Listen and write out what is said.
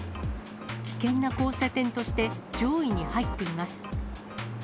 危険な交差点として、上位に入っています。